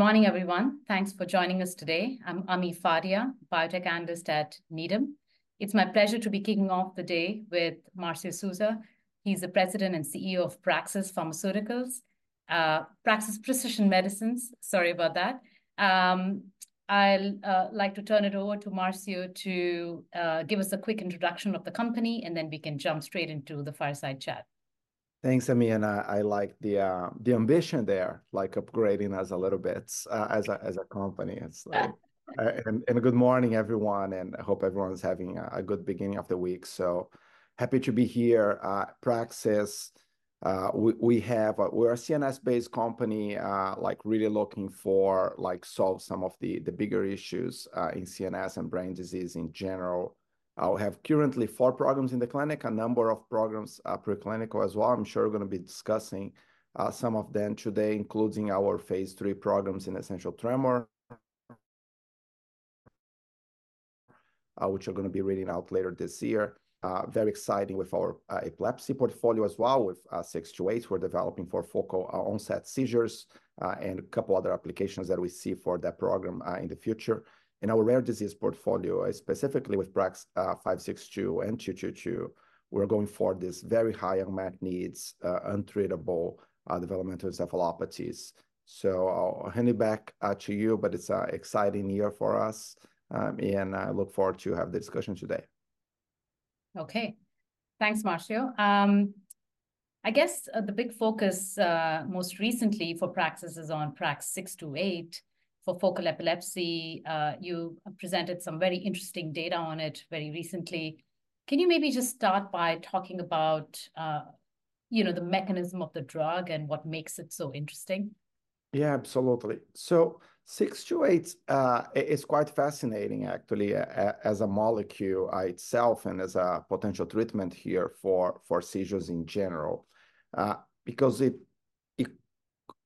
Good morning, everyone. Thanks for joining us today. I'm Ami Fadia, Biotech Analyst at Needham. It's my pleasure to be kicking off the day with Marcio Souza. He's the President and CEO of Praxis Precision Medicines, sorry about that. I'll like to turn it over to Marcio to give us a quick introduction of the company, and then we can jump straight into the fireside chat. Thanks, Ami. I like the ambition there, like upgrading us a little bits, as a company. It's like, and good morning, everyone, and I hope everyone's having a good beginning of the week. So happy to be here. Praxis, we're a CNS-based company, like really looking for, like, solve some of the bigger issues, in CNS and brain disease in general. We have currently 4 programs in the clinic, a number of programs, preclinical as well. I'm sure we're gonna be discussing, some of them today, including our phase 3 programs in essential tremor, which are gonna be reading out later this year. Very exciting with our epilepsy portfolio as well, with 628s we're developing for focal onset seizures, and a couple other applications that we see for that program, in the future. In our rare disease portfolio, specifically with PRAX-562 and PRAX-222, we're going for this very high unmet needs, untreatable, developmental encephalopathies. So I'll hand it back to you, but it's an exciting year for us, and I look forward to have the discussion today. Okay. Thanks, Marcio. I guess, the big focus, most recently for Praxis is on PRAX-628 for focal epilepsy. You presented some very interesting data on it very recently. Can you maybe just start by talking about, you know, the mechanism of the drug and what makes it so interesting? Yeah, absolutely. So 628 is quite fascinating, actually, as a molecule itself and as a potential treatment here for seizures in general, because it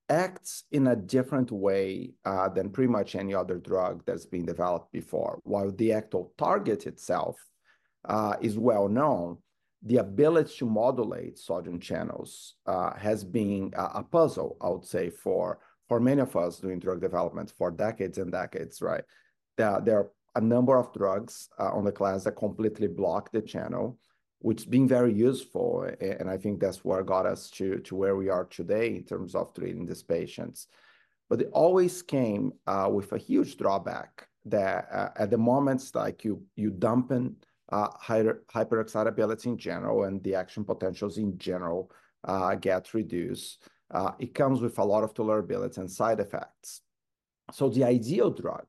acts in a different way than pretty much any other drug that's been developed before. While the actual target itself is well known, the ability to modulate sodium channels has been a puzzle, I would say, for many of us doing drug development for decades and decades, right? There are a number of drugs on the class that completely block the channel, which has been very useful, and I think that's what got us to where we are today in terms of treating these patients. But it always came with a huge drawback that, at the moments like you dump in, hyper-excitability in general and the action potentials in general get reduced. It comes with a lot of tolerabilities and side effects. So the ideal drug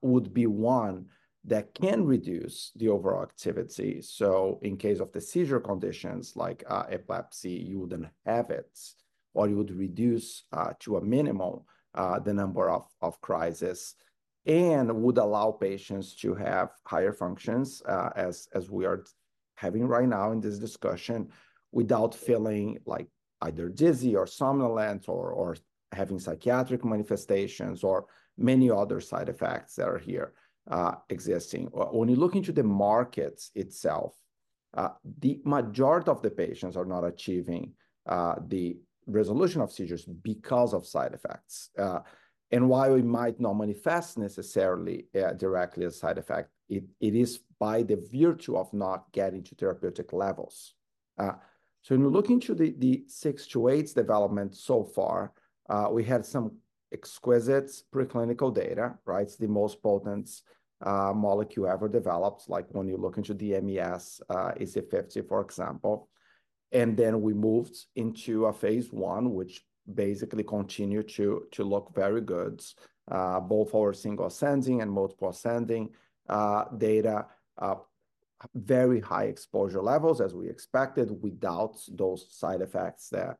would be one that can reduce the overall activity. So in case of the seizure conditions like epilepsy, you wouldn't have it, or you would reduce to a minimum the number of crises and would allow patients to have higher functions, as we are having right now in this discussion without feeling like either dizzy or somnolent or having psychiatric manifestations or many other side effects that are here existing. When you look into the market itself, the majority of the patients are not achieving the resolution of seizures because of side effects. While it might not manifest necessarily, directly as a side effect, it, it is by the virtue of not getting to therapeutic levels. So when you look into the, the 628's development so far, we had some exquisite preclinical data, right? It's the most potent, molecule ever developed, like when you look into MES, EC50, for example. And then we moved into a phase one, which basically continued to, to look very good, both our single-ascending and multiple-ascending, data, very high exposure levels as we expected without those side effects that,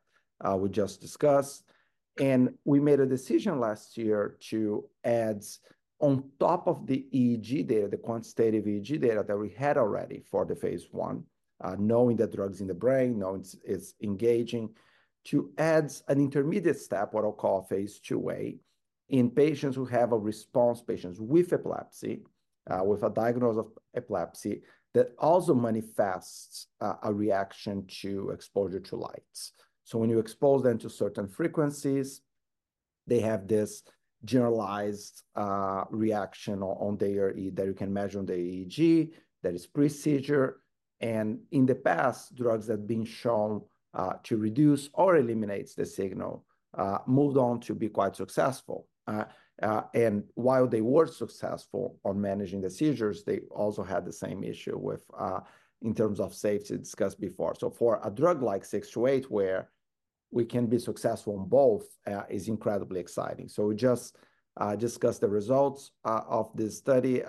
we just discussed. We made a decision last year to add on top of the EEG data, the quantitative EEG data that we had already for the phase one, knowing the drug's in the brain, knowing it's engaging, to add an intermediate step, what I'll call a phase II-A, in patients who have a response, patients with epilepsy, with a diagnosis of epilepsy that also manifests a reaction to exposure to lights. So when you expose them to certain frequencies, they have this generalized reaction on their EEG that you can measure on the EEG that is pre-seizure. And in the past, drugs that have been shown to reduce or eliminate the signal moved on to be quite successful, and while they were successful on managing the seizures, they also had the same issue with in terms of safety discussed before. So for a drug like 628 where we can be successful in both is incredibly exciting. So we just discussed the results of this study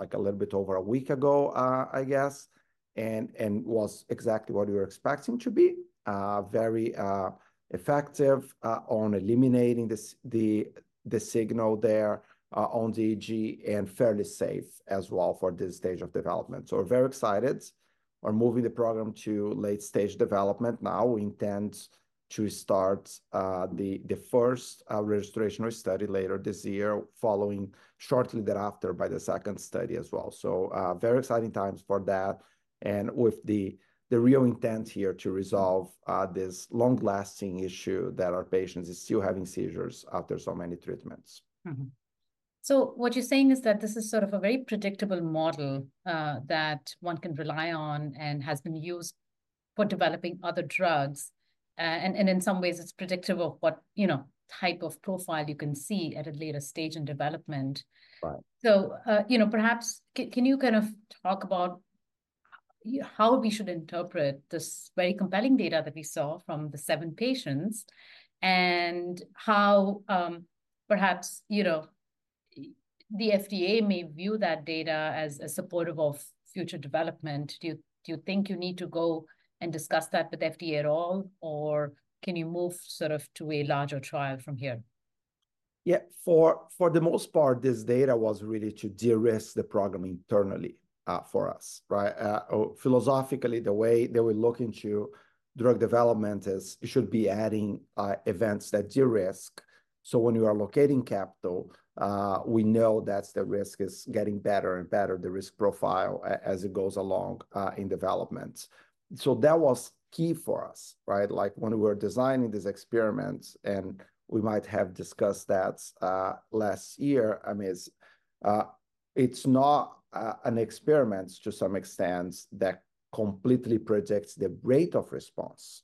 like a little bit over a week ago, I guess, and was exactly what we were expecting to be very effective on eliminating the signal there on the EEG and fairly safe as well for this stage of development. So we're very excited. We're moving the program to late stage development now. We intend to start the first registration study later this year following shortly thereafter by the second study as well. So very exciting times for that and with the real intent here to resolve this long-lasting issue that our patients are still having seizures after so many treatments. So what you're saying is that this is sort of a very predictable model, that one can rely on and has been used for developing other drugs. And in some ways it's predictable what, you know, type of profile you can see at a later stage in development. Right. You know, perhaps can you kind of talk about how we should interpret this very compelling data that we saw from the seven patients and how, perhaps, you know, the FDA may view that data as supportive of future development? Do you think you need to go and discuss that with the FDA at all, or can you move sort of to a larger trial from here? Yeah, for the most part, this data was really to de-risk the program internally, for us, right? Philosophically, the way they were looking to drug development is you should be adding events that de-risk. So when you are allocating capital, we know that the risk is getting better and better, the risk profile, as it goes along, in development. So that was key for us, right? Like when we were designing these experiments and we might have discussed that, last year, I mean, it's not, an experiment to some extent that completely predicts the rate of response,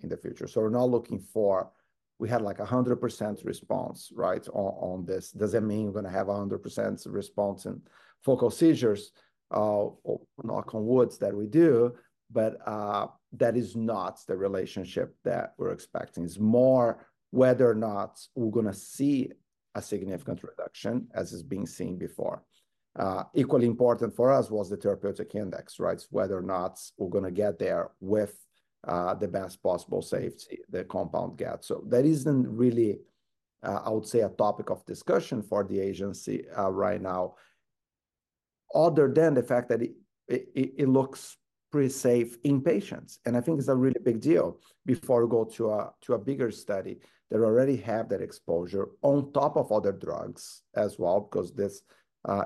in the future. So we're not looking for we had like a 100% response, right, on this. Does that mean you're gonna have a 100% response in focal seizures? Knock on wood that we do, but, that is not the relationship that we're expecting. It's more whether or not we're gonna see a significant reduction as is being seen before. Equally important for us was the therapeutic index, right? It's whether or not we're gonna get there with the best possible safety the compound get. So that isn't really, I would say, a topic of discussion for the agency right now other than the fact that it looks pretty safe in patients. And I think it's a really big deal before we go to a bigger study that already have that exposure on top of other drugs as well because this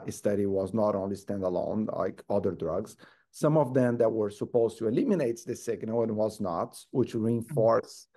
study was not only standalone like other drugs. Some of them that were supposed to eliminate the signal and was not, which reinforced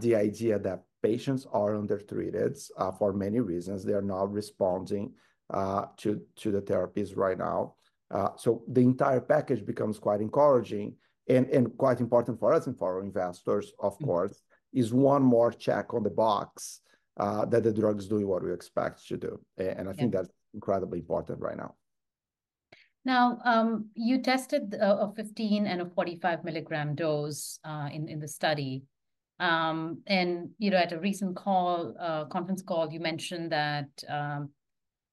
the idea that patients are under-treated for many reasons. They are not responding to the therapies right now. The entire package becomes quite encouraging and quite important for us and for our investors, of course, one more check in the box that the drug's doing what we expect it to do. And I think that's incredibly important right now. Now, you tested a 15 and 45-mg dose in the study. You know, at a recent conference call, you mentioned that you know,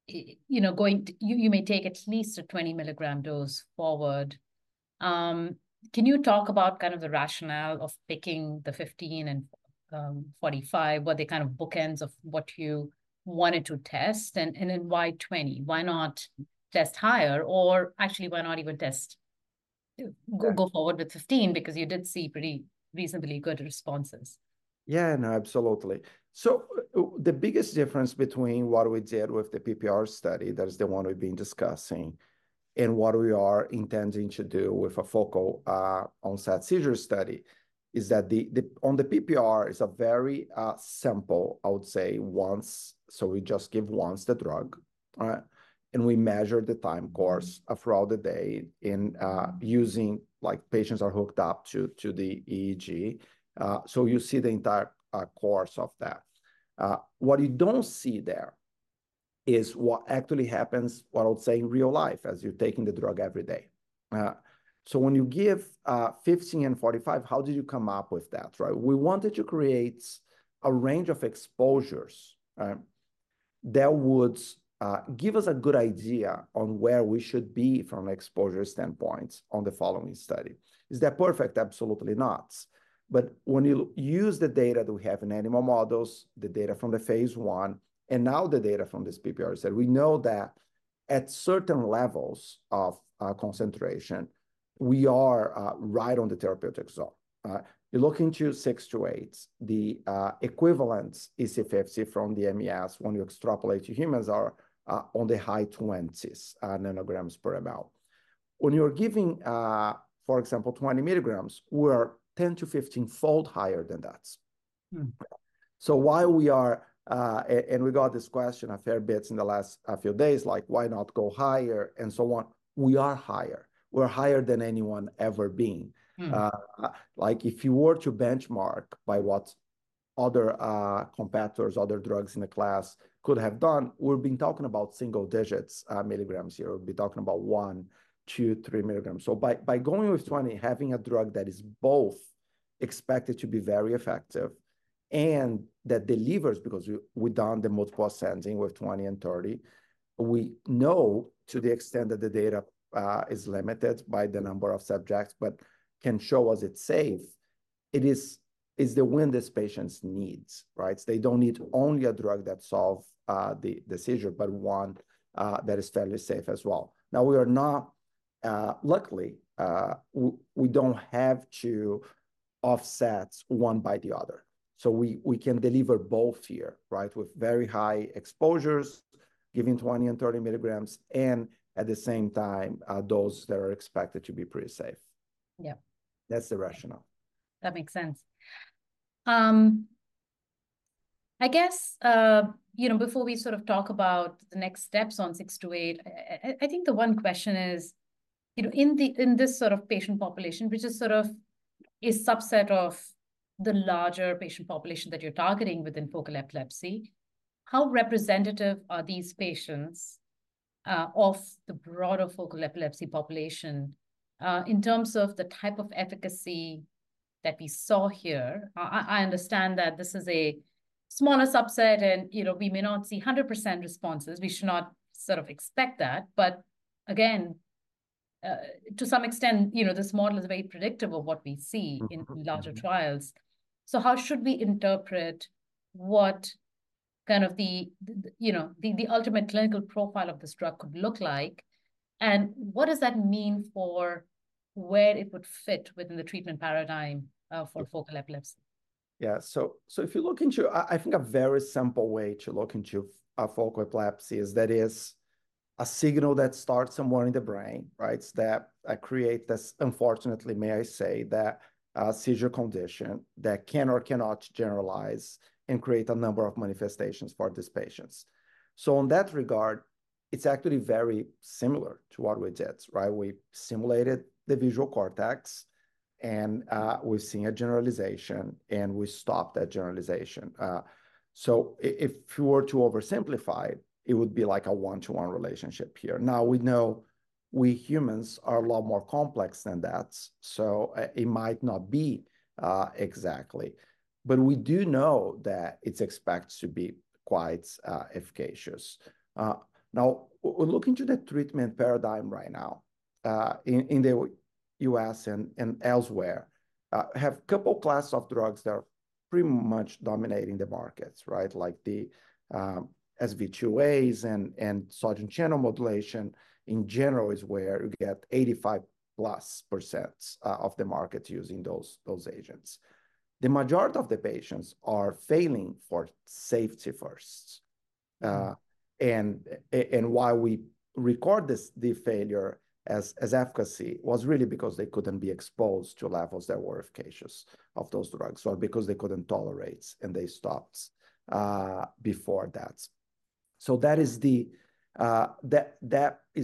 going forward, you may take at least a 20-mg dose forward. Can you talk about kind of the rationale of picking the 15 and 45-mg? Were they kind of bookends of what you wanted to test and then why 20? Why not test higher or actually why not even go forward with 15 because you did see pretty reasonably good responses? Yeah, no, absolutely. So the biggest difference between what we did with the PPR study, that is the one we've been discussing, and what we are intending to do with a focal onset seizure study is that the on the PPR is a very simple, I would say, once so we just give once the drug, right? And we measure the time course throughout the day using like patients are hooked up to the EEG. So you see the entire course of that. What you don't see there is what actually happens, what I would say in real life as you're taking the drug every day. So when you give 15 and 45, how did you come up with that, right? We wanted to create a range of exposures, right, that would give us a good idea on where we should be from an exposure standpoint on the following study. Is that perfect? Absolutely not. But when you use the data that we have in animal models, the data from the phase I, and now the data from this PPR study, we know that at certain levels of concentration, we are right on the therapeutic zone. You look into 628's, the equivalent EC50 from the MES when you extrapolate to humans are on the high 20s nanograms per mL. When you're giving, for example, 20 milligrams, we are 10 to 15-fold higher than that. So while we are and we got this question a fair bit in the last few days, like, why not go higher and so on? We are higher. We're higher than anyone ever being. Like if you were to benchmark by what other competitors, other drugs in the class could have done, we'd be talking about single digits, milligrams here. We'll be talking about 1, 2, 3 milligrams. So by going with 20, having a drug that is both expected to be very effective and that delivers because we've done the multiple dosing with 20 and 30, we know to the extent that the data is limited by the number of subjects, but can show us it's safe, it is what this patient needs, right? They don't need only a drug that solves the seizure, but one that is fairly safe as well. Now, luckily, we don't have to offset one by the other. So we can deliver both here, right, with very high exposures, giving 20 and 30 milligrams, and at the same time, those that are expected to be pretty safe. Yeah. That's the rationale. That makes sense. I guess, you know, before we sort of talk about the next steps on 628, I think the one question is, you know, in the - in this sort of patient population, which is sort of a subset of the larger patient population that you're targeting within focal epilepsy, how representative are these patients, of the broader focal epilepsy population, in terms of the type of efficacy that we saw here? I understand that this is a smaller subset and, you know, we may not see 100% responses. We should not sort of expect that. But again, to some extent, you know, this model is very predictable what we see in larger trials. So how should we interpret what kind of the, you know, the ultimate clinical profile of this drug could look like? What does that mean for where it would fit within the treatment paradigm, for focal epilepsy? Yeah, so if you look into, I think a very simple way to look into focal epilepsy is that it's a signal that starts somewhere in the brain, right, that creates this, unfortunately, may I say, that seizure condition that can or cannot generalize and create a number of manifestations for these patients. So in that regard, it's actually very similar to what we did, right? We simulated the visual cortex and we've seen a generalization and we stopped that generalization. So if you were to oversimplify it, it would be like a one-to-one relationship here. Now we know we humans are a lot more complex than that. So it might not be exactly. But we do know that it's expected to be quite efficacious. Now we're looking to the treatment paradigm right now. In the U.S. and elsewhere, we have a couple classes of drugs that are pretty much dominating the markets, right? Like the SV2As and sodium channel modulation in general is where you get 85%+ of the market using those agents. The majority of the patients are failing for safety firsts. And why we record this, the failure as efficacy was really because they couldn't be exposed to levels that were efficacious of those drugs or because they couldn't tolerate and they stopped before that. So that is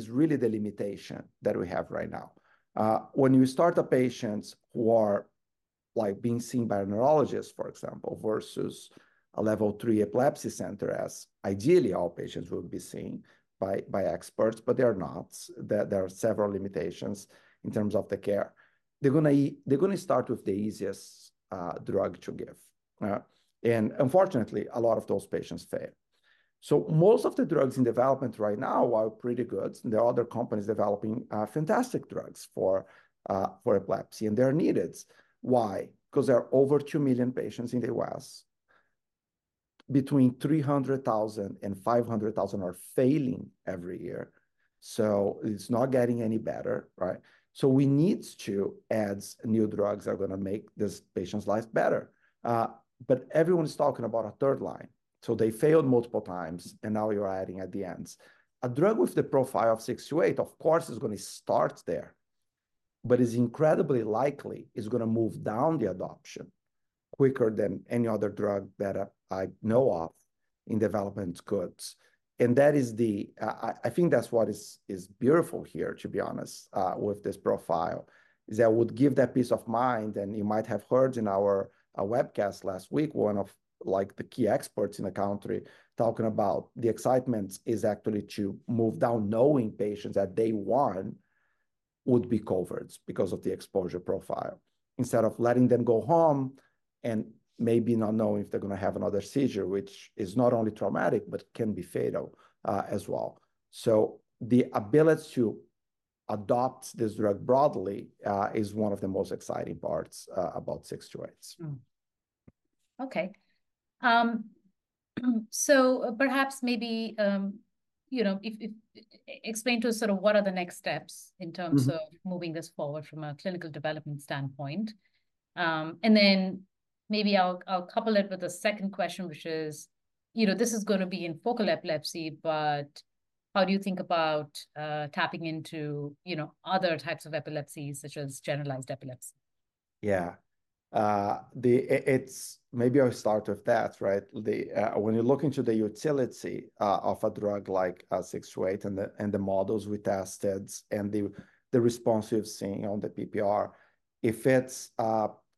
really the limitation that we have right now. When you start a patient who are like being seen by a neurologist for example, versus a level three epilepsy center, as ideally all patients will be seen by experts, but they are not, that there are several limitations in terms of the care. They're gonna start with the easiest drug to give, right? And unfortunately, a lot of those patients fail. So most of the drugs in development right now are pretty good. There are other companies developing fantastic drugs for epilepsy, and they're needed. Why? Because there are over 2 million patients in the US. Between 300,000 and 500,000 are failing every year. So it's not getting any better, right? So we need to add new drugs that are gonna make these patients' lives better. But everyone is talking about a third line. So they failed multiple times and now you're adding at the ends. A drug with the profile of 628, of course, is gonna start there, but it's incredibly likely it's gonna move down the adoption quicker than any other drug that I know of in development goods. And that is the, I think that's what is beautiful here, to be honest, with this profile is that would give that peace of mind. And you might have heard in our webcast last week, one of like the key experts in the country talking about the excitement is actually to move down knowing patients that day one would be covered because of the exposure profile instead of letting them go home and maybe not knowing if they're gonna have another seizure, which is not only traumatic, but can be fatal, as well. The ability to adopt this drug broadly is one of the most exciting parts about 628s. Okay, so perhaps maybe, you know, if you explain to us sort of what are the next steps in terms of moving this forward from a clinical development standpoint? And then maybe I'll couple it with a second question, which is, you know, this is gonna be in focal epilepsy, but how do you think about tapping into, you know, other types of epilepsies such as generalized epilepsy? Yeah, it's maybe I'll start with that, right? When you're looking to the utility of a drug like 628 and the models we tested and the response you've seen on the PPR, it fits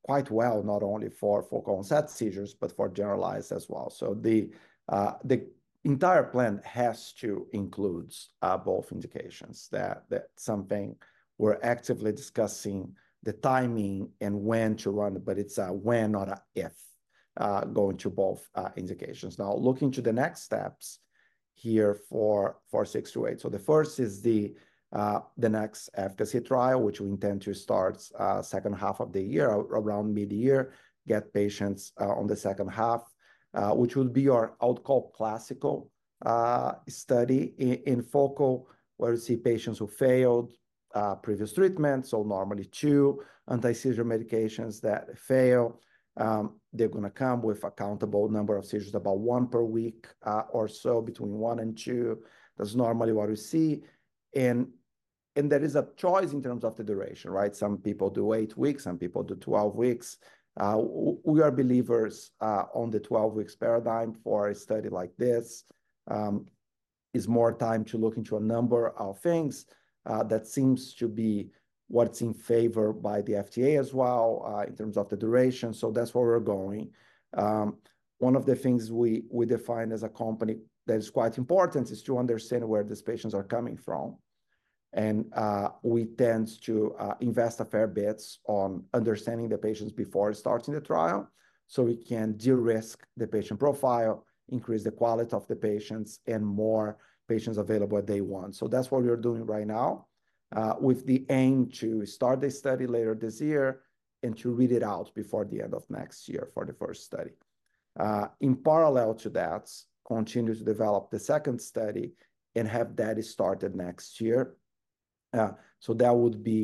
quite well not only for focal onset seizures, but for generalized as well. So the entire plan has to include both indications, that something we're actively discussing, the timing and when to run, but it's a when, not an if, going to both indications. Now looking to the next steps here for 628. So the first is the next efficacy trial, which we intend to start second half of the year around mid-year, get patients on the second half, which would be our adult classical study in focal where you see patients who failed previous treatments. So normally two anti-seizure medications that fail. They're gonna come with an accountable number of seizures, about one per week, or so between one and two. That's normally what we see. And there is a choice in terms of the duration, right? Some people do eight weeks, some people do 12 weeks. We are believers on the 12 weeks paradigm for a study like this. Is more time to look into a number of things, that seems to be what's in favor by the FDA as well, in terms of the duration. So that's where we're going. One of the things we define as a company that is quite important is to understand where these patients are coming from. And we tend to invest a fair bit on understanding the patients before starting the trial so we can de-risk the patient profile, increase the quality of the patients, and more patients available at day one. So that's what we are doing right now, with the aim to start the study later this year and to read it out before the end of next year for the first study. In parallel to that, continue to develop the second study and have that started next year. So that would be,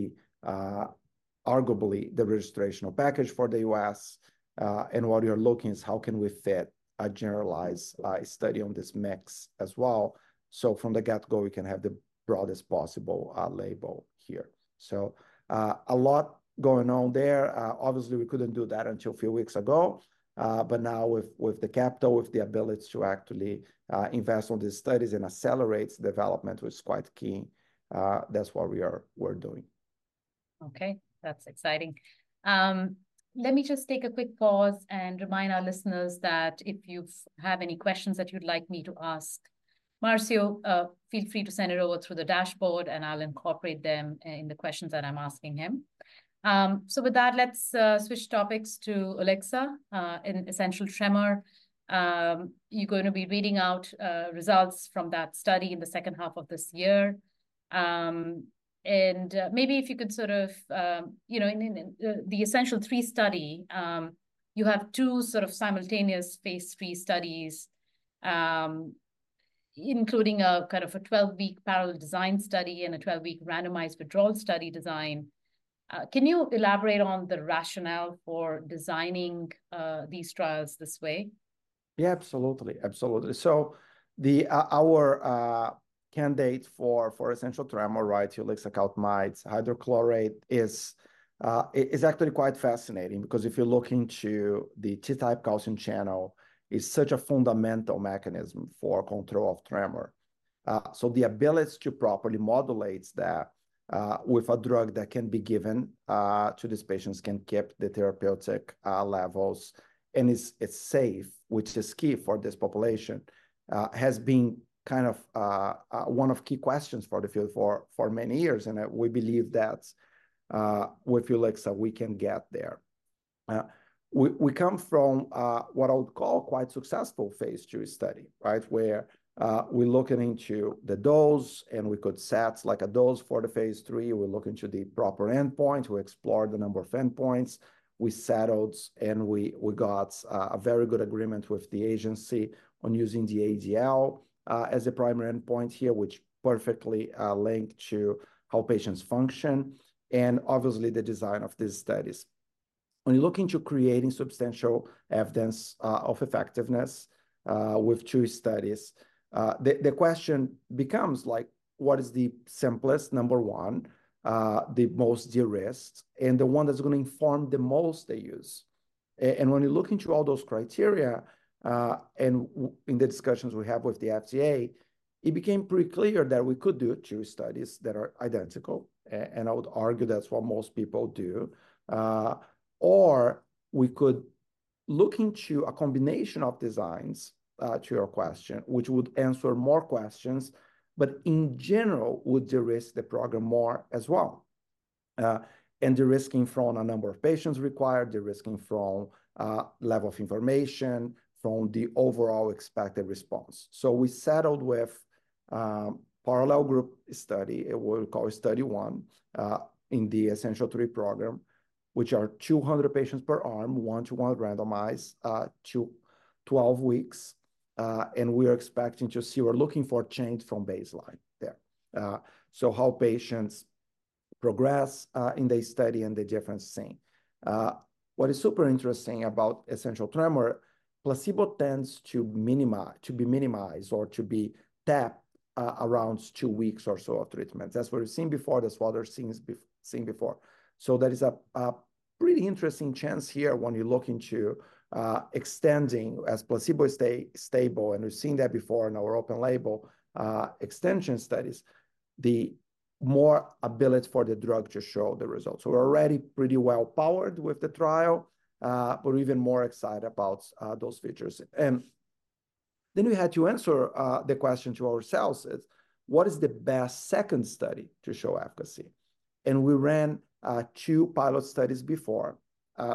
arguably the registration package for the U.S. And what we are looking is how can we fit a generalized, study on this mix as well? So from the get-go, we can have the broadest possible, label here. So, a lot going on there. Obviously we couldn't do that until a few weeks ago. But now with, with the capital, with the ability to actually, invest on these studies and accelerate the development, which is quite key. That's what we are, we're doing. Okay. That's exciting. Let me just take a quick pause and remind our listeners that if you have any questions that you'd like me to ask Marcio, feel free to send it over through the dashboard and I'll incorporate them in the questions that I'm asking him. So with that, let's switch topics to ulixa in essential tremor. You're gonna be reading out results from that study in the second half of this year. And maybe if you could sort of, you know, in the Essential3 study, you have two sort of simultaneous phase III studies, including a kind of a 12-week parallel design study and a 12-week randomized withdrawal study design. Can you elaborate on the rationale for designing these trials this way? Yeah, absolutely. Absolutely. So our candidate for essential tremor, right, ulixacaltamide hydrochloride is actually quite fascinating because if you're looking to the T-type calcium channel, it's such a fundamental mechanism for control of tremor. So the ability to properly modulate that with a drug that can be given to these patients can keep the therapeutic levels and is safe, which is key for this population, has been kind of one of the key questions for the field for many years. And we believe that with ulixa, we can get there. We come from what I would call quite successful phase III study, right, where we're looking into the dose and we could set like a dose for the phase III. We're looking to the proper endpoints. We explored the number of endpoints. We settled and we got a very good agreement with the agency on using the ADL as a primary endpoint here, which perfectly linked to how patients function and obviously the design of these studies. When you're looking to creating substantial evidence of effectiveness with two studies, the question becomes like, what is the simplest number one, the most de-risked and the one that's gonna inform the most they use? And when you're looking to all those criteria, and in the discussions we have with the FDA, it became pretty clear that we could do two studies that are identical. And I would argue that's what most people do. Or we could look into a combination of designs, to your question, which would answer more questions, but in general would de-risk the program more as well. De-risking from a number of patients required, de-risking from level of information from the overall expected response. So we settled with parallel group study. It will call Study 1 in the Essential3 program, which are 200 patients per arm, 1:1 randomized to 12 weeks. We are expecting to see; we're looking for change from baseline there, so how patients progress in the study and the difference seen. What is super interesting about essential tremor: placebo tends to minimize, to be minimized or to be tapped, around 2 weeks or so of treatment. That's what we've seen before. That's what we're seeing before. So that is a pretty interesting chance here when you're looking to extending as placebo stay stable, and we've seen that before in our open-label extension studies, the more ability for the drug to show the results. So we're already pretty well powered with the trial, but we're even more excited about those features. Then we had to answer the question to ourselves. It's what is the best second study to show efficacy? And we ran two pilot studies before,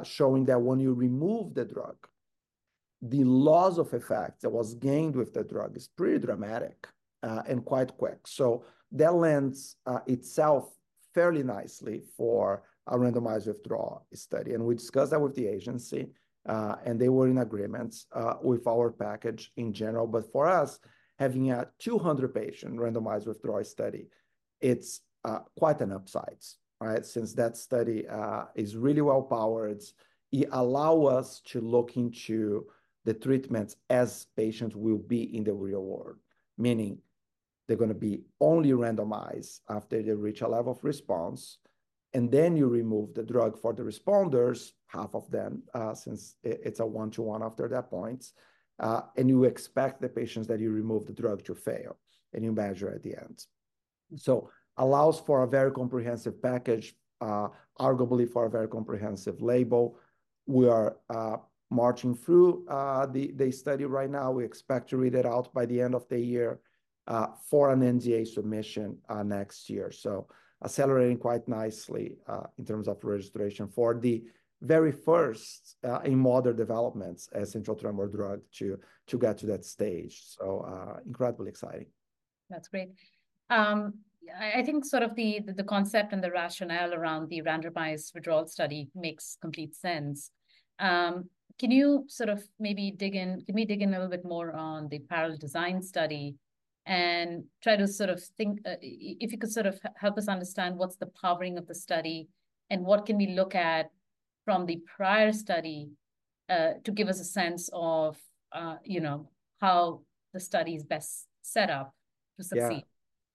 showing that when you remove the drug, the loss of effect that was gained with the drug is pretty dramatic and quite quick. So that lends itself fairly nicely for a randomized withdrawal study. And we discussed that with the agency, and they were in agreement with our package in general. But for us, having a 200-patient randomized withdrawal study, it's quite an upside, right? Since that study is really well powered, it allows us to look into the treatments as patients will be in the real world, meaning they're gonna be only randomized after they reach a level of response. And then you remove the drug for the responders, half of them, since it's a 1:1 after that point. And you expect the patients that you remove the drug to fail and you measure at the end. So allows for a very comprehensive package, arguably for a very comprehensive label. We are marching through the study right now. We expect to read it out by the end of the year for an NDA submission next year. So accelerating quite nicely in terms of registration for the very first in modern developments essential tremor drug to get to that stage. So incredibly exciting. That's great. I think sort of the concept and the rationale around the randomized withdrawal study makes complete sense. Can you sort of maybe dig in, can we dig in a little bit more on the parallel design study and try to sort of think, if you could sort of help us understand what's the powering of the study and what can we look at from the prior study, to give us a sense of, you know, how the study is best set up to succeed?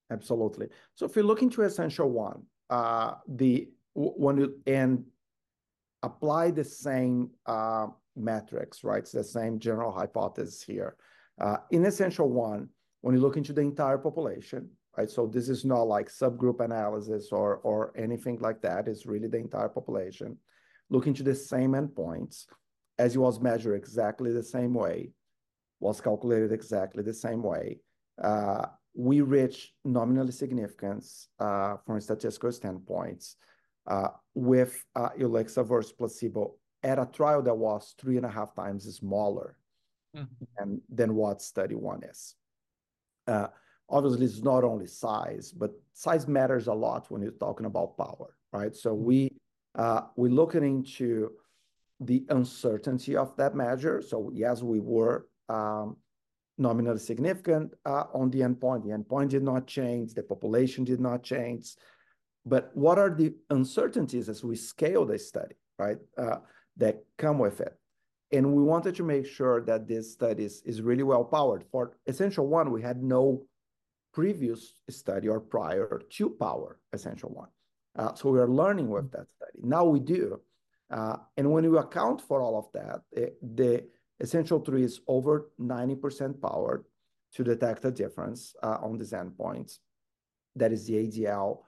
Yeah, absolutely. So if you're looking to Essential1, then when you apply the same metrics, right? So the same general hypothesis here. In Essential1, when you look into the entire population, right? So this is not like subgroup analysis or anything like that. It's really the entire population looking to the same endpoints as it was measured exactly the same way, was calculated exactly the same way. We reach nominal significance from statistical standpoints with ulixa versus placebo at a trial that was 3.5 times smaller than what Study 1 is. Obviously it's not only size, but size matters a lot when you're talking about power, right? So we, we're looking into the uncertainty of that measure. So yes, we were nominally significant on the endpoint. The endpoint did not change. The population did not change. But what are the uncertainties as we scale the study, right, that come with it? And we wanted to make sure that this study is really well powered for Essential1. We had no previous study or prior to power Essential1. So we are learning with that study. Now we do. And when you account for all of that, the Essential3 is over 90% powered to detect a difference on these endpoints. That is the ADL,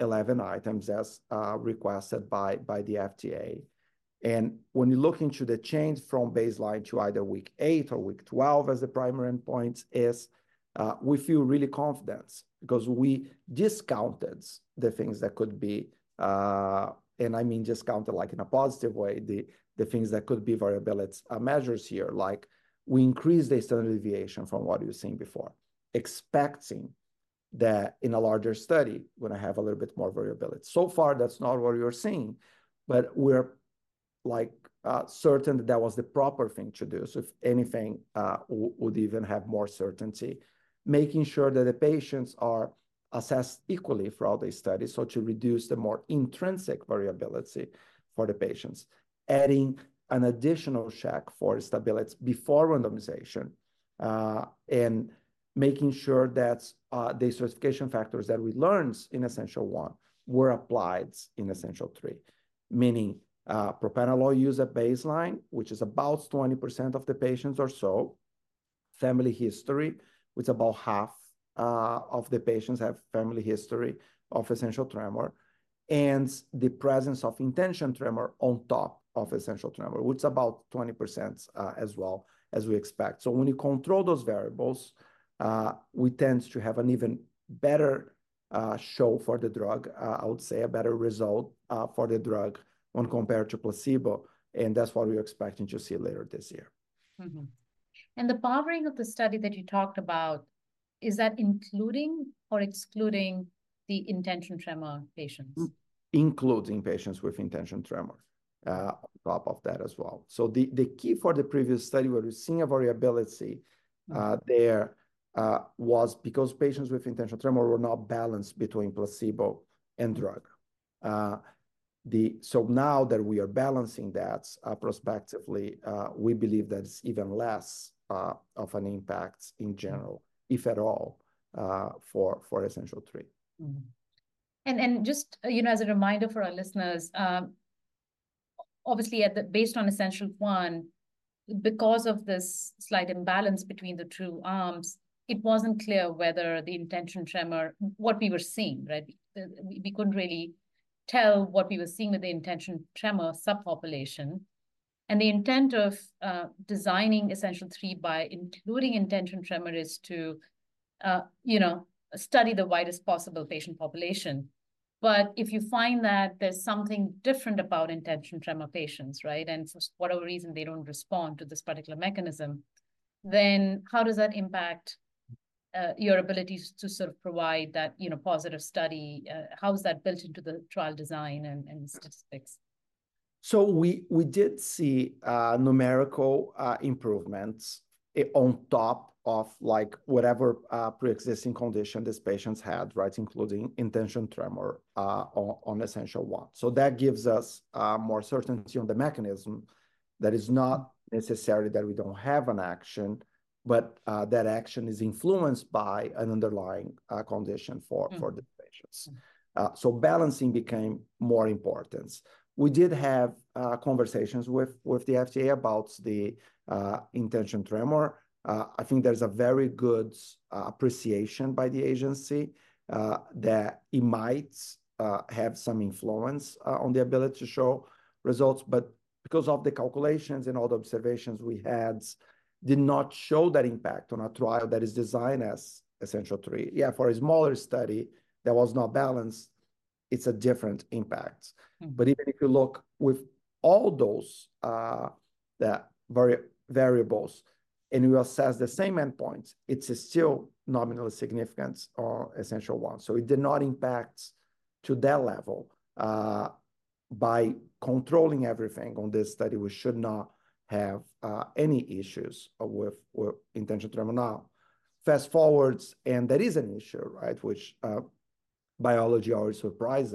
11 items as requested by the FDA. When you look into the change from baseline to either week eight or week 12 as the primary endpoint is, we feel really confident because we discounted the things that could be, and I mean discounted like in a positive way, the things that could be variability measures here, like we increased the standard deviation from what you're seeing before, expecting that in a larger study, we're gonna have a little bit more variability. So far that's not what you're seeing. But we're like, certain that that was the proper thing to do. So if anything, would even have more certainty, making sure that the patients are assessed equally throughout the study. So to reduce the more intrinsic variability for the patients, adding an additional check for stability before randomization, and making sure that the certification factors that we learned in Essential1 were applied in Essential3, meaning propranolol used at baseline, which is about 20% of the patients or so. Family history, which is about half of the patients have family history of essential tremor, and the presence of intention tremor on top of essential tremor, which is about 20%, as well as we expect. So when you control those variables, we tend to have an even better show for the drug, I would say a better result for the drug when compared to placebo. And that's what we're expecting to see later this year. The powering of the study that you talked about, is that including or excluding the intention tremor patients? Including patients with intention tremors, on top of that as well. So the key for the previous study where we're seeing a variability there was because patients with intention tremor were not balanced between placebo and drug. So now that we are balancing that prospectively, we believe that it's even less of an impact in general, if at all, for Essential3. And just, you know, as a reminder for our listeners, obviously, based on Essential1, because of this slight imbalance between the two arms, it wasn't clear whether the intention tremor, what we were seeing, right? We couldn't really tell what we were seeing with the intention tremor subpopulation. And the intent of designing Essential3 by including intention tremor is to, you know, study the widest possible patient population. But if you find that there's something different about intention tremor patients, right? And for whatever reason they don't respond to this particular mechanism, then how does that impact your abilities to sort of provide that, you know, positive study? How's that built into the trial design and statistics? So we did see numerical improvements on top of like whatever preexisting condition these patients had, right? Including intention tremor on Essential1. So that gives us more certainty on the mechanism that is not necessarily that we don't have an action, but that action is influenced by an underlying condition for the patients. So balancing became more important. We did have conversations with the FDA about the intention tremor. I think there's a very good appreciation by the agency that it might have some influence on the ability to show results. But because of the calculations and all the observations we had did not show that impact on a trial that is designed as Essential3. Yeah, for a smaller study that was not balanced, it's a different impact. But even if you look with all those variables and you assess the same endpoints, it's still nominally significant on Essential1. So it did not impact to that level by controlling everything on this study. We should not have any issues with intention tremor now. Fast forward, and there is an issue, right? Which biology always surprises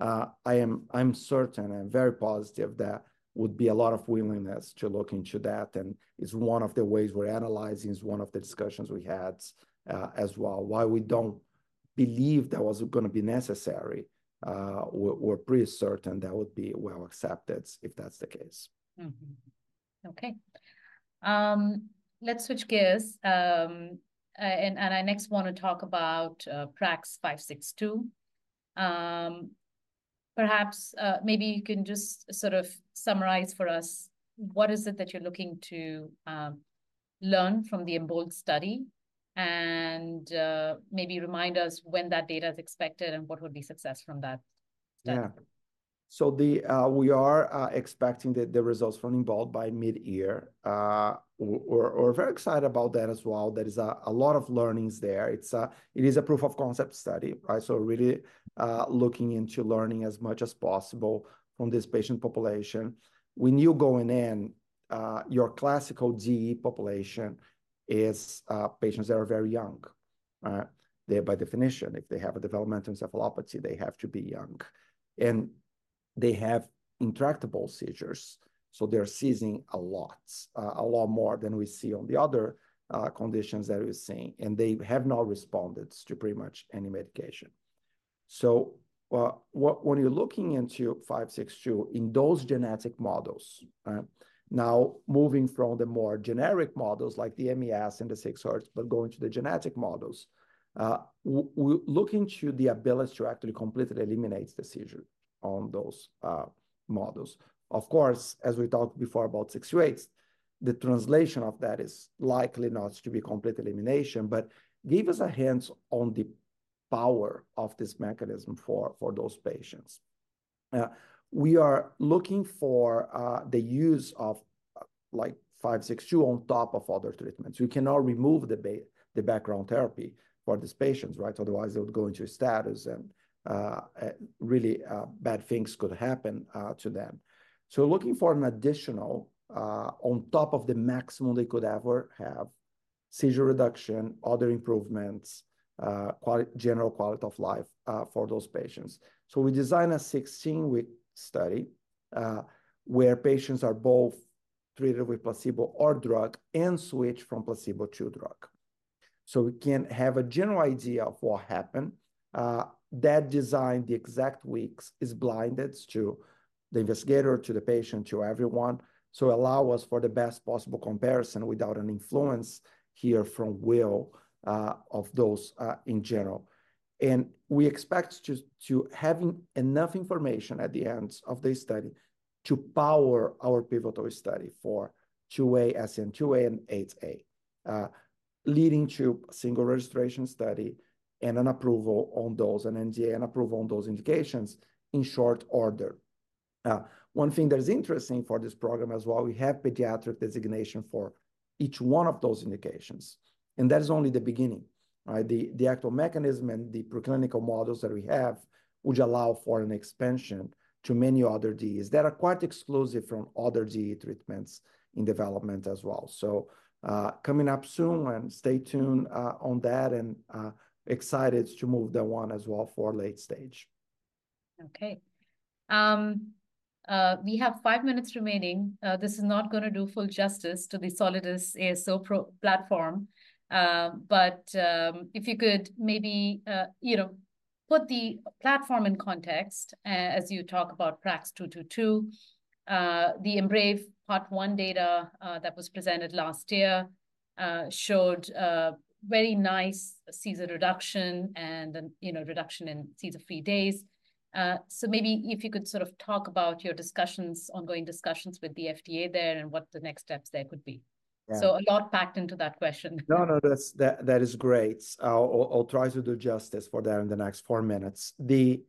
us. I'm certain, I'm very positive that would be a lot of willingness to look into that. And it's one of the ways we're analyzing, it's one of the discussions we had, as well, why we don't believe that was gonna be necessary. We're pretty certain that would be well accepted if that's the case. Okay. Let's switch gears, and I next want to talk about PRAX-562. Perhaps, maybe you can just sort of summarize for us what is it that you're looking to learn from the EMBOLD study and, maybe remind us when that data is expected and what would be success from that study? Yeah. So we are expecting the results from EMBOLD by mid-year. We're very excited about that as well. There is a lot of learnings there. It is a proof of concept study, right? So really, looking into learning as much as possible from this patient population. When you go in, your classical DE population is patients that are very young, right? They're by definition, if they have a developmental encephalopathy, they have to be young. And they have intractable seizures. So they're seizing a lot, a lot more than we see on the other conditions that we're seeing. And they have not responded to pretty much any medication. So when you're looking into 562 in those genetic models, right? Now moving from the more generic models like the MES and the 6-Hz, but going to the genetic models, we're looking to the ability to actually completely eliminate the seizure on those models. Of course, as we talked before about SCN8As, the translation of that is likely not to be complete elimination, but gave us a hint on the power of this mechanism for those patients we are looking for, the use of, like 562 on top of other treatments. We cannot remove the background therapy for these patients, right? Otherwise they would go into status and really bad things could happen to them. So looking for an additional on top of the maximum they could ever have seizure reduction, other improvements, quality general quality of life for those patients. So we designed a 16-week study, where patients are both treated with placebo or drug and switch from placebo to drug. So we can have a general idea of what happened. That design, the exact weeks is blinded to the investigator, to the patient, to everyone. So allow us for the best possible comparison without an influence here from will, of those, in general. And we expect to, to having enough information at the end of the study to power our pivotal study for 2A, SCN2A and 8A, leading to a single registration study and an approval on those and NDA and approval on those indications in short order. One thing that's interesting for this program as well, we have pediatric designation for each one of those indications. And that is only the beginning, right? The actual mechanism and the preclinical models that we have would allow for an expansion to many other DEs that are quite exclusive from other DE treatments in development as well. So, coming up soon and stay tuned on that, and excited to move that one as well for late stage. Okay. We have five minutes remaining. This is not gonna do full justice to the Solidus ASO platform. But, if you could maybe, you know, put the platform in context, as you talk about PRAX-222, the EMBRAVE Part 1 data, that was presented last year, showed very nice seizure reduction and then, you know, reduction in seizure-free days. So maybe if you could sort of talk about your discussions, ongoing discussions with the FDA there and what the next steps there could be. So a lot packed into that question. No, no, that's great. I'll try to do justice for that in the next four minutes. The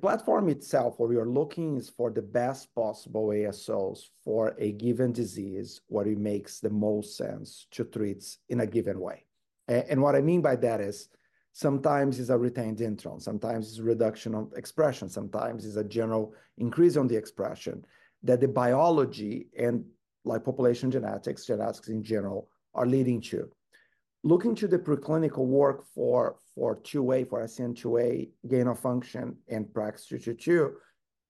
platform itself where you're looking is for the best possible ASOs for a given disease, what it makes the most sense to treat in a given way. And what I mean by that is sometimes it's a retained intron, sometimes it's a reduction of expression, sometimes it's a general increase on the expression that the biology and like population genetics, genetics in general are leading to. Looking to the preclinical work for 2A, for SCN2A gain-of-function and PRAX-222,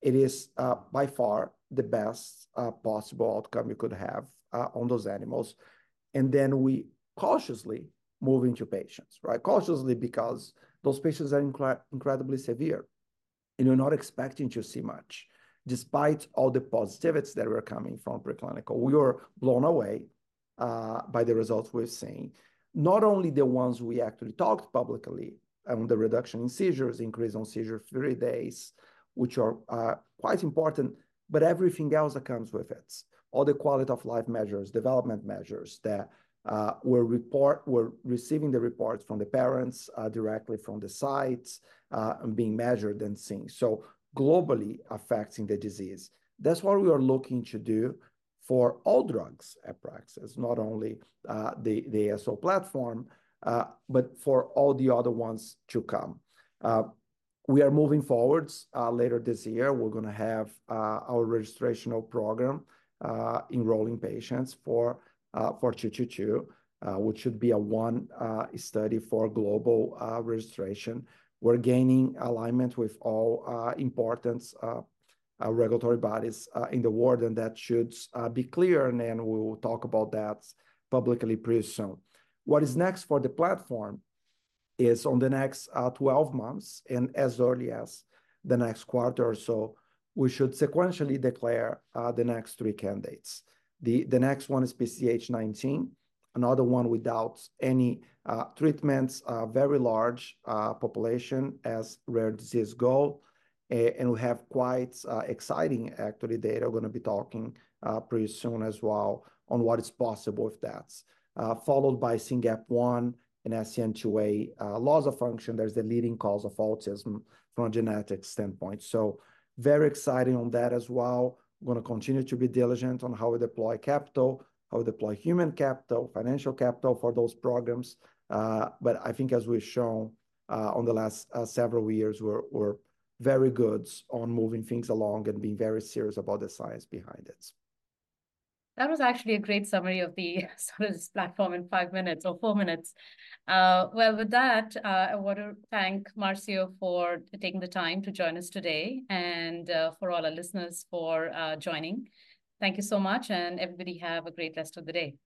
it is by far the best possible outcome you could have on those animals. And then we cautiously move into patients, right? Cautiously because those patients are incredibly severe. And you're not expecting to see much. Despite all the positivities that were coming from preclinical, we were blown away by the results we're seeing. Not only the ones we actually talked publicly on the reduction in seizures, increase on seizure-free days, which are quite important, but everything else that comes with it. All the quality of life measures, development measures that were reported, we're receiving the reports from the parents, directly from the sites, and being measured and seen. So globally affecting the disease. That's what we are looking to do for all drugs at Praxis, not only the ASO platform, but for all the other ones to come. We are moving forward later this year. We're gonna have our registration program enrolling patients for 222, which should be a one study for global registration. We're gaining alignment with all important regulatory bodies in the world, and that should be clear, and then we'll talk about that publicly pretty soon. What is next for the platform is on the next 12 months, and as early as the next quarter or so, we should sequentially declare the next three candidates. The next one is PCDH19. Another one without any treatments, very large population as rare disease goal. And we have quite exciting, actually, data we're gonna be talking pretty soon as well on what is possible with that, followed by SYNGAP1 and SCN2A loss of function; there's the leading cause of autism from a genetic standpoint. So very exciting on that as well. We're gonna continue to be diligent on how we deploy capital, how we deploy human capital, financial capital for those programs. But I think as we've shown, on the last several years, we're very good on moving things along and being very serious about the science behind it. That was actually a great summary of the Solidus platform in five minutes or four minutes. Well, with that, I want to thank Marcio for taking the time to join us today and, for all our listeners for, joining. Thank you so much and everybody have a great rest of the day.